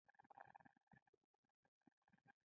دا د پراخې عمومیت سازۍ په توګه یادیږي